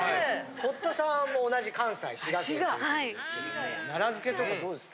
堀田さんは同じ関西滋賀県ということですけども奈良漬とかどうです？